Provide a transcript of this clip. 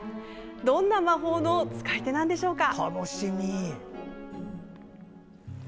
どんな魔法の使い手なんでしょうか？